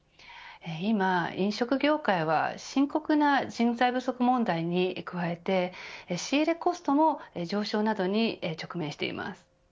今、飲食業界は深刻な人材不足問題に加えて仕入れコストの上昇などに直面しています。